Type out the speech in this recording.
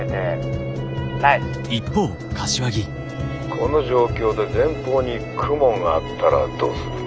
この状況で前方に雲があったらどうする？